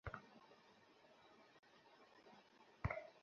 আজ রাতেই ইরফানকে শেষ করতে হবে।